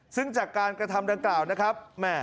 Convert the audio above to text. ซึ่งจากการกระทำดังกล่าวนะครับ